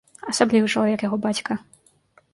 Асаблівы чалавек яго бацька.